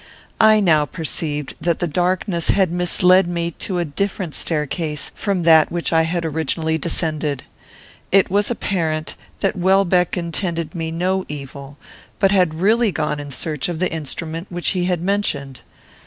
I now perceived that the darkness had misled me to a different staircase from that which I had originally descended. It was apparent that Welbeck intended me no evil, but had really gone in search of the instrument which he had mentioned.